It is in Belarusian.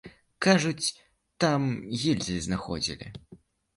Кажуць, там гільзы знаходзілі.